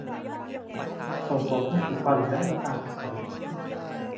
ส่งผลให้ผิวพรรณและหน้าตาสดใส